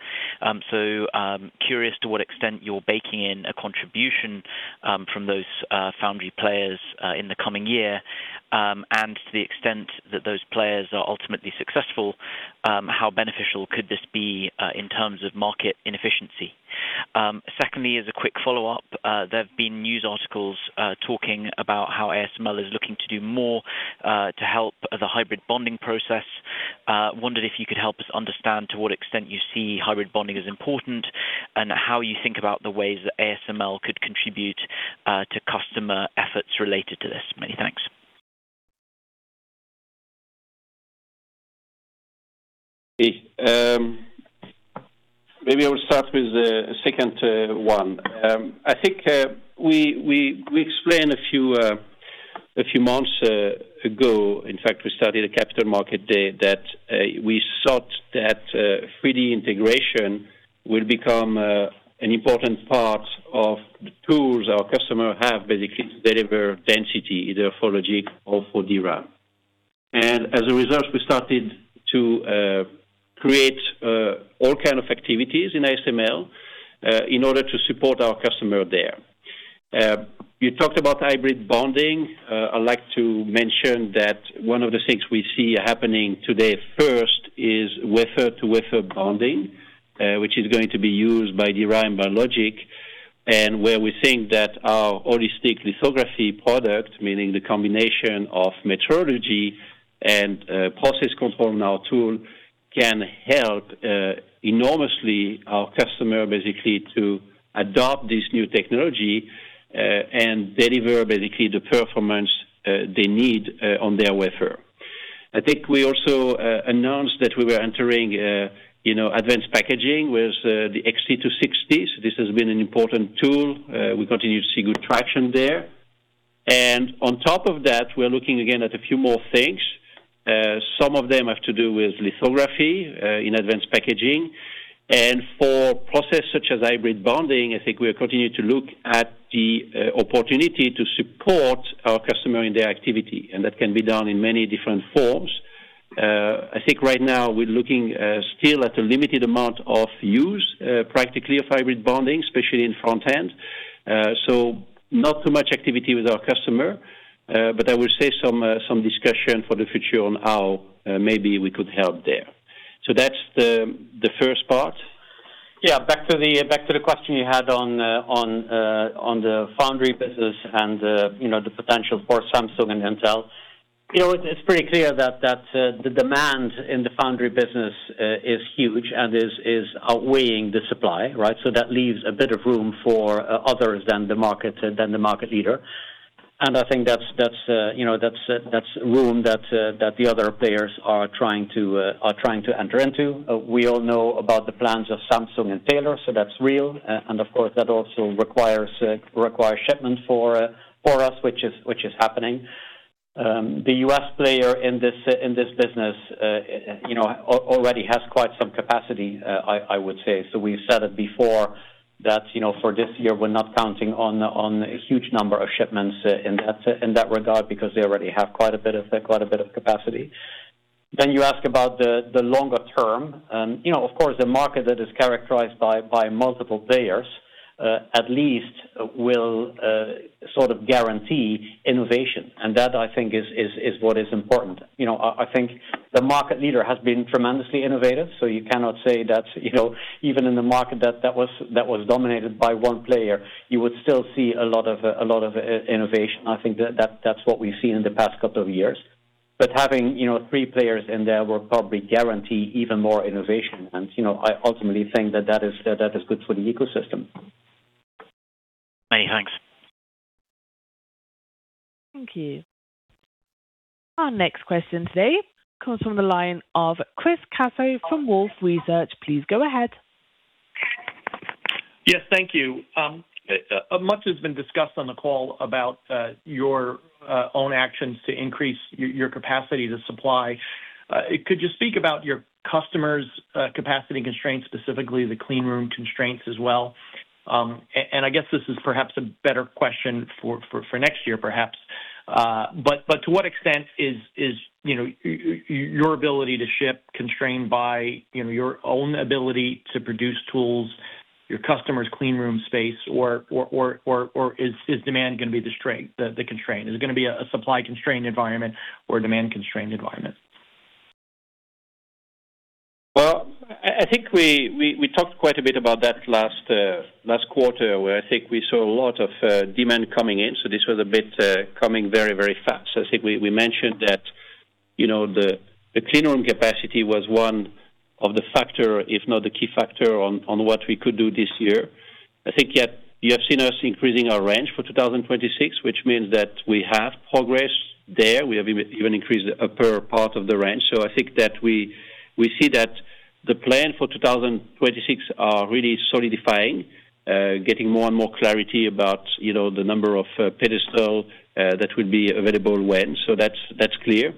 Curious to what extent you're baking in a contribution from those foundry players in the coming year. To the extent that those players are ultimately successful, how beneficial could this be in terms of market inefficiency? Secondly, as a quick follow-up, there have been news articles talking about how ASML is looking to do more to help the hybrid bonding process. wondered if you could help us understand to what extent you see hybrid bonding as important, and how you think about the ways that ASML could contribute to customer efforts related to this. Many thanks. Maybe I will start with the second one. I think we explained a few months ago, in fact, we started a Capital Markets Day, that we thought that 3D integration will become an important part of the tools our customer have, basically, to deliver density, either for logic or for DRAM. As a result, we started to create all kind of activities in ASML in order to support our customer there. You talked about hybrid bonding. I'd like to mention that one of the things we see happening today first is wafer-to-wafer bonding, which is going to be used by DRAM, by logic, and where we think that our Holistic Lithography product, meaning the combination of metrology and process control in our tool, can help enormously our customer basically to adopt this new technology, and deliver basically the performance they need on their wafer. I think we also announced that we were entering advanced packaging with the TWINSCAN XT:260. This has been an important tool. We continue to see good traction there. On top of that, we're looking again at a few more things. Some of them have to do with lithography in advanced packaging. For process such as hybrid bonding, I think we continue to look at the opportunity to support our customer in their activity, and that can be done in many different forms. I think right now we're looking still at a limited amount of use, practically of hybrid bonding, especially in front-end. Not too much activity with our customer. I will say some discussion for the future on how maybe we could help there. That's the first part. Yeah, back to the question you had on the foundry business and the potential for Samsung and Intel, it's pretty clear that the demand in the foundry business is huge and is outweighing the supply. That leaves a bit of room for others than the market leader. I think that's room that the other players are trying to enter into. We all know about the plans of Samsung and Taylor, so that's real. Of course, that also requires shipment for us, which is happening. The U.S. player in this business already has quite some capacity, I would say. We've said it before, that for this year, we're not counting on a huge number of shipments in that regard because they already have quite a bit of capacity. You ask about the longer term, and, of course, the market that is characterized by multiple players, at least, will sort of guarantee innovation. That, I think, is what is important. I think the market leader has been tremendously innovative, so you cannot say that, even in the market that was dominated by one player, you would still see a lot of innovation. I think that's what we've seen in the past couple of years. Having three players in there will probably guarantee even more innovation. I ultimately think that is good for the ecosystem. Many thanks. Thank you. Our next question today comes from the line of Chris Caso from Wolfe Research. Please go ahead. Yes, thank you. Much has been discussed on the call about your own actions to increase your capacity to supply. Could you speak about your customers' capacity constraints, specifically the cleanroom constraints as well? I guess this is perhaps a better question for next year, perhaps. To what extent is your ability to ship constrained by your own ability to produce tools, your customers' cleanroom space, or is demand going to be the constraint? Is it going to be a supply-constrained environment or a demand-constrained environment? Well, I think we talked quite a bit about that last quarter, where I think we saw a lot of demand coming in. This was a bit coming very fast. I think we mentioned that the clean room capacity was one of the factor, if not the key factor, on what we could do this year. I think you have seen us increasing our range for 2026, which means that we have progress there. We have even increased the upper part of the range. I think that we see that the plan for 2026 are really solidifying, getting more clarity about the number of pedestal that will be available when. That's clear.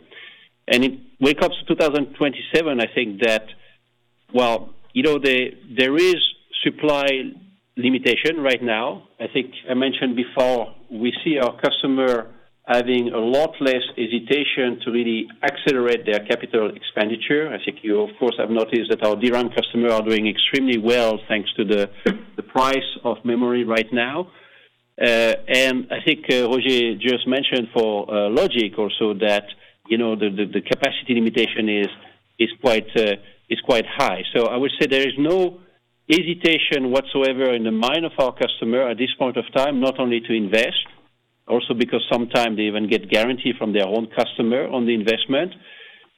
When it comes to 2027, I think that while there is supply limitation right now, I think I mentioned before, we see our customer having a lot less hesitation to really accelerate their capital expenditure. I think you, of course, have noticed that our DRAM customer are doing extremely well, thanks to the price of memory right now. I think Roger just mentioned for logic also that the capacity limitation is quite high. I would say there is no hesitation whatsoever in the mind of our customer at this point of time, not only to invest, also because sometimes they even get guarantee from their own customer on the investment,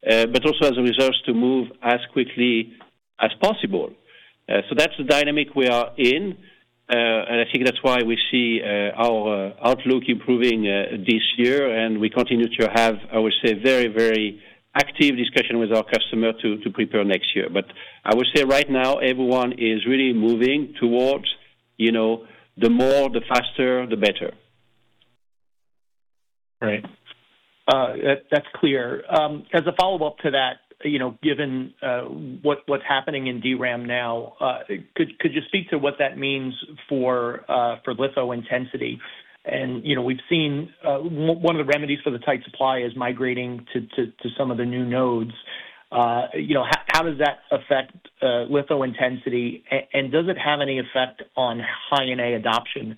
but also as a resource to move as quickly as possible. That's the dynamic we are in. I think that's why we see our outlook improving this year. We continue to have, I would say, very active discussion with our customer to prepare next year. I would say right now, everyone is really moving towards the more, the faster, the better. Right. That's clear. As a follow-up to that, given what's happening in DRAM now, could you speak to what that means for litho intensity? We've seen one of the remedies for the tight supply is migrating to some of the new nodes. How does that affect litho intensity? Does it have any effect on High-NA adoption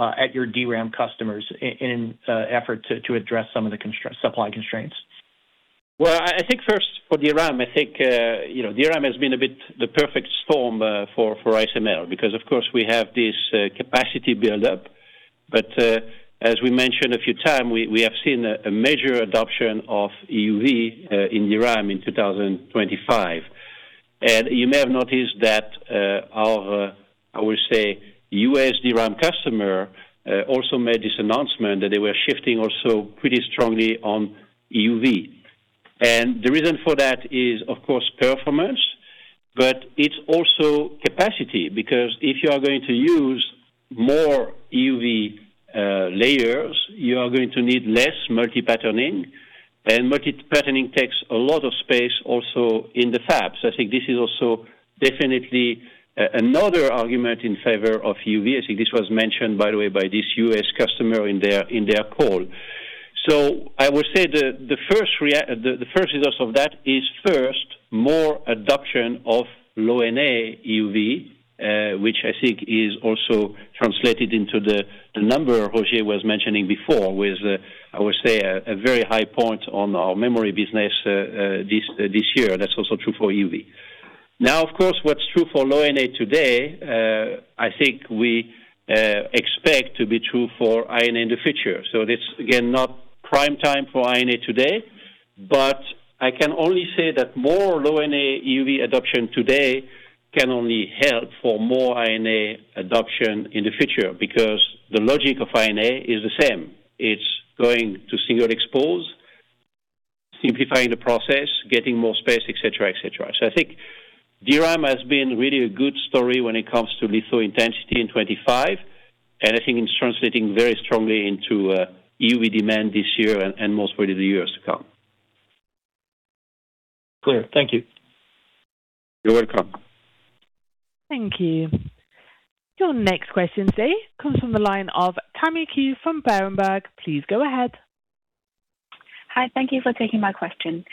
at your DRAM customers in effort to address some of the supply constraints? Well, I think first for DRAM, I think DRAM has been a bit the perfect storm for ASML, because of course we have this capacity build-up. As we mentioned a few times, we have seen a major adoption of EUV in DRAM in 2025. You may have noticed that our, I would say, U.S. DRAM customer also made this announcement that they were shifting also pretty strongly on EUV. The reason for that is, of course, performance, but it's also capacity, because if you are going to use more EUV layers, you are going to need less multi-patterning. Multi-patterning takes a lot of space also in the fabs. I think this is also definitely another argument in favor of EUV. I think this was mentioned, by the way, by this U.S. customer in their call. I would say the first result of that is first, more adoption of Low-NA EUV, which I think is also translated into the number Roger was mentioning before with, I would say, a very high point on our memory business this year. That's also true for EUV. Now, of course, what's true for Low-NA today, I think we expect to be true for High-NA in the future. It is, again, not prime time for High-NA today, but I can only say that more Low-NA EUV adoption today can only help for more High-NA adoption in the future, because the logic of High-NA is the same. It's going to single expose, simplifying the process, getting more space, et cetera. I think DRAM has been really a good story when it comes to litho intensity in 2025, and I think it's translating very strongly into EUV demand this year and most probably the years to come. Clear. Thank you. You're welcome. Thank you. Your next question today comes from the line of Tammy Qiu from Berenberg. Please go ahead. Hi. Thank you for taking my question.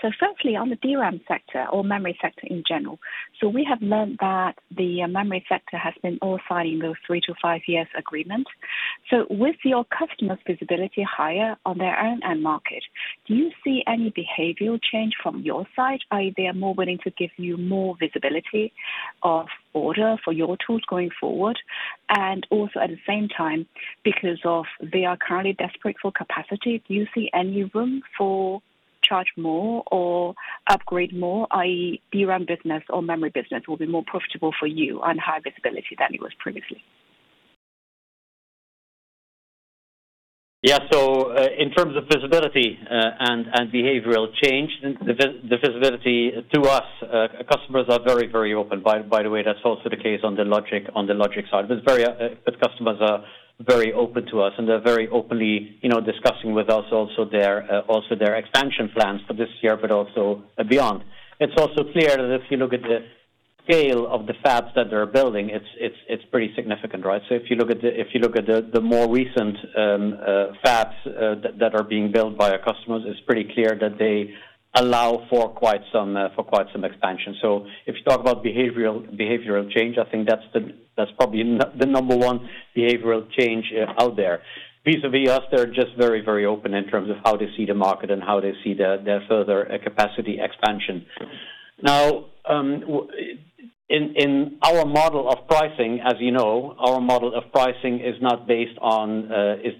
Firstly, on the DRAM sector or memory sector in general. We have learned that the memory sector has been all signing those three-to-five-years agreement. With your customers' visibility higher on their own end market, do you see any behavioral change from your side, i.e., they are more willing to give you more visibility of order for your tools going forward? At the same time, because of they are currently desperate for capacity, do you see any room for charge more or upgrade more, i.e., DRAM business or memory business will be more profitable for you on high visibility than it was previously? In terms of visibility and behavioral change, the visibility to us, customers are very open. By the way, that's also the case on the logic side. Customers are very open to us, and they're very openly discussing with us also their expansion plans for this year, but also beyond. It's also clear that if you look at the scale of the fabs that they're building, it's pretty significant, right? If you look at the more recent fabs that are being built by our customers, it's pretty clear that they allow for quite some expansion. If you talk about behavioral change, I think that's probably the number one behavioral change out there. Vis-a-vis us, they're just very open in terms of how they see the market and how they see their further capacity expansion. Now, in our model of pricing, as you know, our model of pricing is not based on the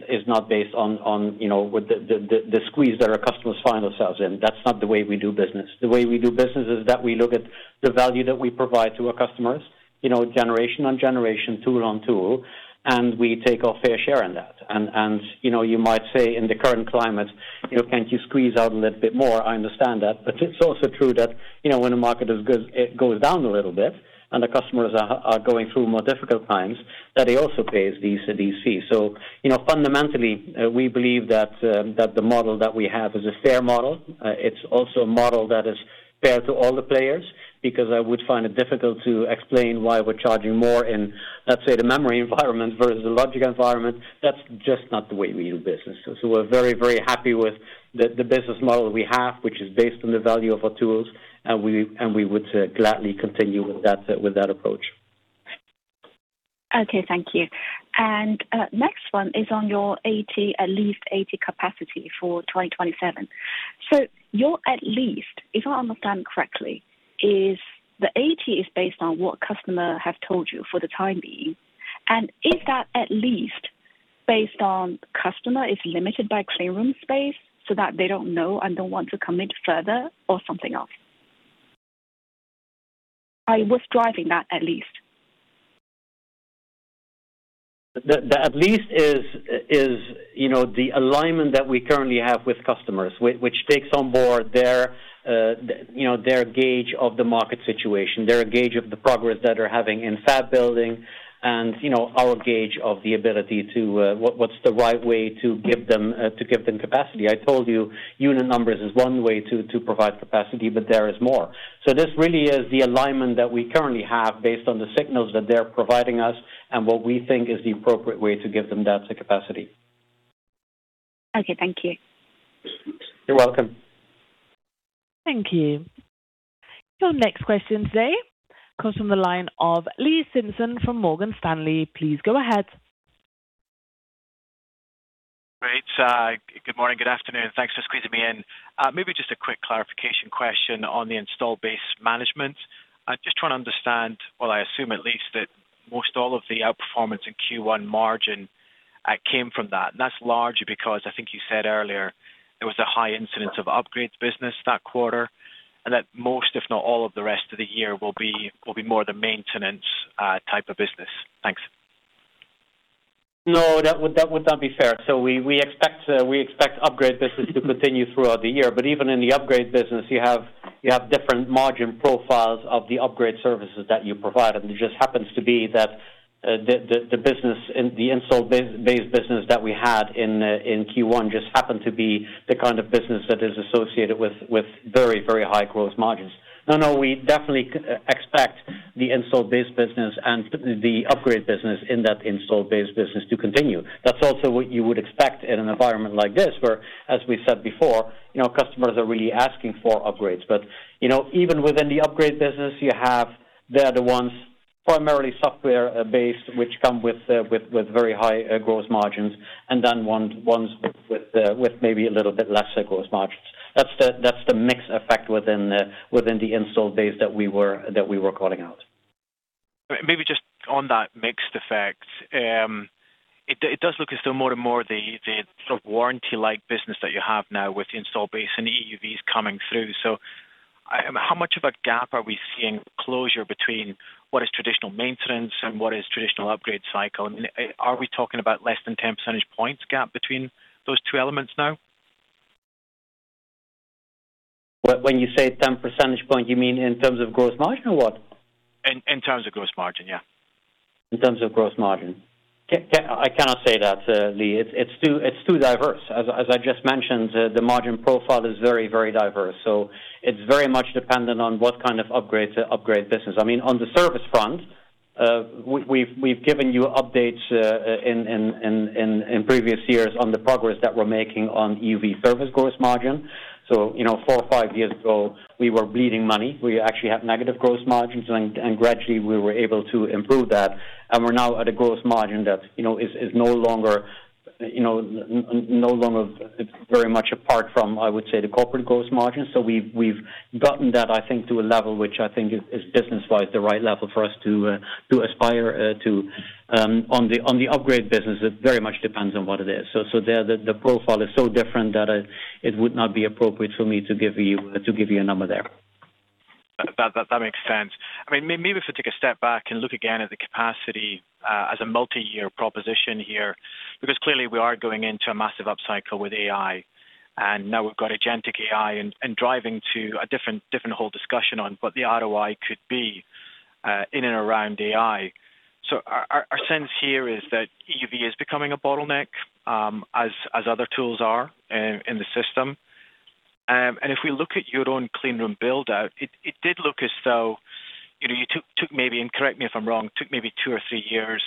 squeeze that our customers find themselves in. That's not the way we do business. The way we do business is that we look at the value that we provide to our customers, generation on generation, tool on tool, and we take our fair share in that. You might say, in the current climate, can't you squeeze out a little bit more? I understand that, but it's also true that when the market goes down a little bit, and the customers are going through more difficult times, that it also pays these fees. Fundamentally, we believe that the model that we have is a fair model. It's also a model that is fair to all the players, because I would find it difficult to explain why we're charging more in, let's say, the memory environment versus the logic environment. That's just not the way we do business. We're very happy with the business model we have, which is based on the value of our tools, and we would gladly continue with that approach. Okay, thank you. Next one is on your at least 80 capacity for 2027. Your at least, if I understand correctly, is the 80 is based on what customer have told you for the time being. Is that at least based on customer is limited by cleanroom space so that they don't know and don't want to commit further or something else? What's driving that at least? The at least is the alignment that we currently have with customers, which takes on board their gauge of the market situation, their gauge of the progress that they're having in fab building, and our gauge of what's the right way to give them capacity. I told you unit numbers is one way to provide capacity, but there is more. This really is the alignment that we currently have based on the signals that they're providing us and what we think is the appropriate way to give them that capacity. Okay, thank you. You're welcome. Thank you. Your next question today comes from the line of Lee Simpson from Morgan Stanley. Please go ahead. Great. Good morning. Good afternoon. Thanks for squeezing me in. Maybe just a quick clarification question on the installed base management. I'm just trying to understand, well, I assume at least that most all of the outperformance in Q1 margin came from that. That's largely because I think you said earlier there was a high incidence of upgrades business that quarter, and that most, if not all of the rest of the year, will be more the maintenance type of business. Thanks. No, that would not be fair. We expect upgrade business to continue throughout the year, but even in the upgrade business, you have different margin profiles of the upgrade services that you provide. It just happens to be that the Installed Base business that we had in Q1 just happened to be the kind of business that is associated with very high gross margins. No, we definitely expect the Installed Base business and the upgrade business in that Installed Base business to continue. That's also what you would expect in an environment like this, where, as we said before, customers are really asking for upgrades. Even within the upgrade business you have, they are the ones primarily software-based, which come with very high gross margins, and then ones with maybe a little bit lesser gross margins. That's the mix effect within the Installed Base that we were calling out. Maybe just on that mixed effect, it does look as though more and more the sort of warranty-like business that you have now with the installed base and the EUVs coming through. How much of a gap are we seeing closure between what is traditional maintenance and what is traditional upgrade cycle? Are we talking about less than 10 percentage points gap between those two elements now? When you say 10 percentage point, you mean in terms of gross margin, or what? In terms of gross margin, yeah. In terms of gross margin, I cannot say that, Lee. It's too diverse. As I just mentioned, the margin profile is very diverse. It's very much dependent on what kind of upgrade business. I mean, on the service front, we've given you updates in previous years on the progress that we're making on EUV service gross margin. Four or five years ago, we were bleeding money. We actually had negative gross margins, and gradually we were able to improve that. We're now at a gross margin that is no longer very much apart from, I would say, the corporate gross margin. We've gotten that, I think, to a level which I think is business-wise the right level for us to aspire to. On the upgrade business, it very much depends on what it is. There the profile is so different that it would not be appropriate for me to give you a number there. That makes sense. Maybe if we take a step back and look again at the capacity as a multi-year proposition here, because clearly we are going into a massive upcycle with AI, and now we've got agentic AI and driving to a different whole discussion on what the ROI could be in and around AI. Our sense here is that EUV is becoming a bottleneck as other tools are in the system. If we look at your own clean room build-out, it did look as though you, and correct me if I'm wrong, took maybe two or three years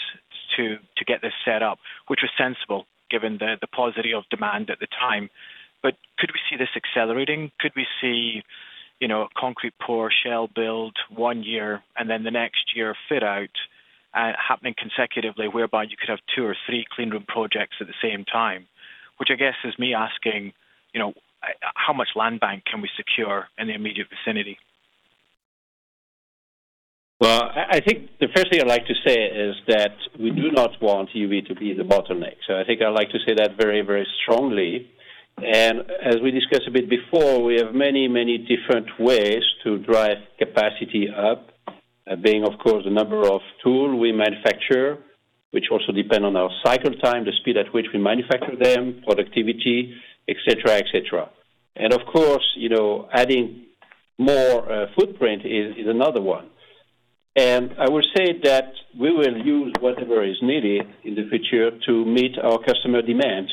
to get this set up, which was sensible given the paucity of demand at the time. Could we see this accelerating? Could we see concrete pour shell build one year and then the next year fit out happening consecutively, whereby you could have two or three clean room projects at the same time? Which I guess is me asking, how much land bank can we secure in the immediate vicinity? Well, I think the first thing I'd like to say is that we do not want EUV to be the bottleneck. I think I'd like to say that very strongly. As we discussed a bit before, we have many different ways to drive capacity up, being of course, the number of tool we manufacture, which also depend on our cycle time, the speed at which we manufacture them, productivity, et cetera. Of course, adding more footprint is another one. I will say that we will use whatever is needed in the future to meet our customer demand.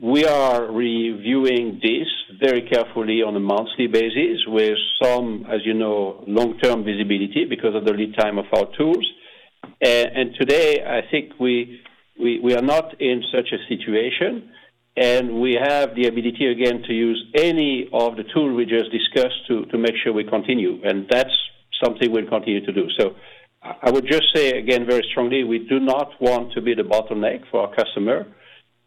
We are reviewing this very carefully on a monthly basis with some, as you know, long-term visibility because of the lead time of our tools. Today, I think we are not in such a situation, and we have the ability again to use any of the tool we just discussed to make sure we continue, and that's something we'll continue to do. I would just say again very strongly, we do not want to be the bottleneck for our customer.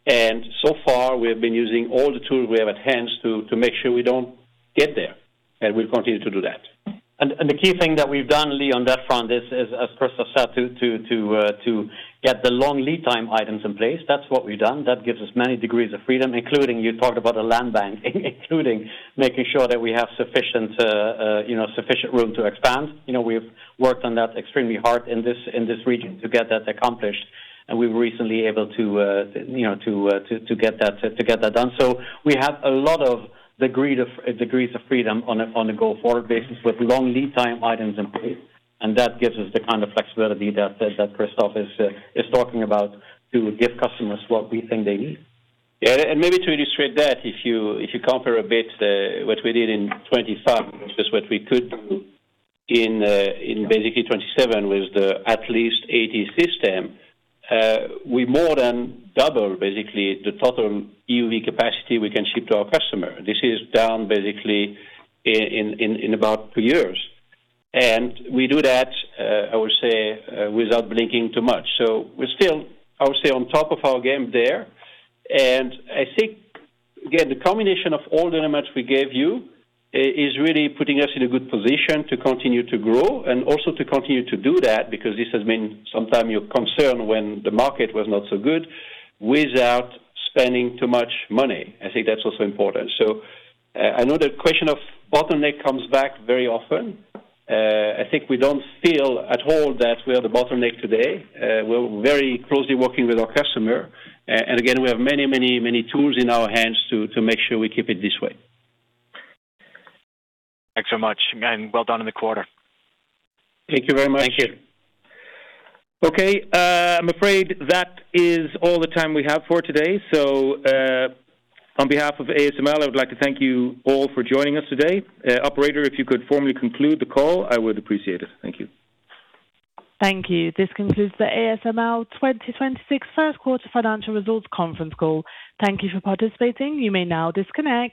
So far we have been using all the tools we have at hand to make sure we don't get there, and we'll continue to do that. The key thing that we've done, Lee, on that front is, as Christophe said, to get the long lead time items in place. That's what we've done. That gives us many degrees of freedom, including, you talked about the land bank, including making sure that we have sufficient room to expand. We've worked on that extremely hard in this region to get that accomplished, and we were recently able to get that done. We have a lot of degrees of freedom on the go-forward basis with long lead time items in place. That gives us the kind of flexibility that Christophe is talking about to give customers what we think they need. Yeah, maybe to illustrate that, if you compare a bit, what we did in 2025 is what we could do in basically 2027 with the at least 80 system. We more than double basically the total EUV capacity we can ship to our customer. This is done basically in about two years. We do that, I would say, without blinking too much. We're still, I would say, on top of our game there, and I think, again, the combination of all the elements we gave you is really putting us in a good position to continue to grow and also to continue to do that because this has been some time your concern when the market was not so good without spending too much money. I think that's also important. I know the question of bottleneck comes back very often. I think we don't feel at all that we are the bottleneck today. We're very closely working with our customer. Again, we have many tools in our hands to make sure we keep it this way. Thanks so much, and well done in the quarter. Thank you very much. Thank you. Okay. I'm afraid that is all the time we have for today. On behalf of ASML, I would like to thank you all for joining us today. Operator, if you could formally conclude the call, I would appreciate it. Thank you. Thank you. This concludes the ASML 2026 first quarter financial results conference call. Thank you for participating. You may now disconnect.